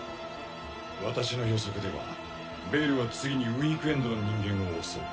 私の予測ではベイルは次にウィークエンドの人間を襲う。